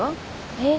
えっ？